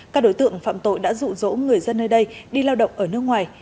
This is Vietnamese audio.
các đối tượng phạm tội đã rụ rỗ người dân nơi đây đi lao động ở nước ngoài